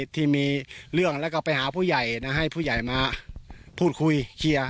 ที่มีเรื่องแล้วก็ไปหาผู้ใหญ่นะให้ผู้ใหญ่มาพูดคุยเคลียร์